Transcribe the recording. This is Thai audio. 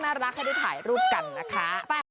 ให้ได้ถ่ายรูปกันนะคะ